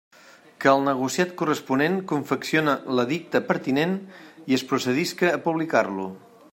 Que el negociat corresponent confeccione l'edicte pertinent i es procedisca a publicar-lo.